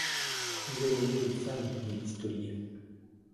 J'aime mieux une femme, dit Listolier.